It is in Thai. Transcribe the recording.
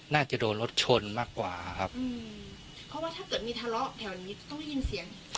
น่าจะโดนรถชนมากกว่าครับอืมเพราะว่าถ้าเกิดมีทะเลาะแถวนี้ต้องได้ยินเสียง